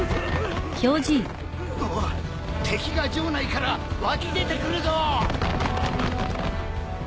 あっ敵が城内から湧き出てくるぞ！